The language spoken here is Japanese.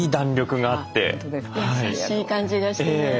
優しい感じがして。